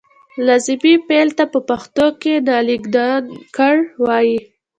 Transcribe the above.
لازمي فعل ته په پښتو کې نالېږندکړ وايي.